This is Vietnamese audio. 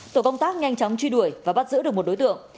tổ công tác nhanh chóng truy đuổi và bắt giữ được một đối tượng